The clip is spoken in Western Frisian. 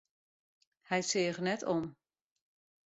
Hy seach net om.